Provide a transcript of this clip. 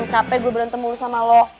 capek gue berantem mulu sama lo